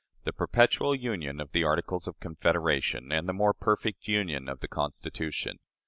The "Perpetual Union" of the Articles of Confederation and the "More Perfect Union" of the Constitution.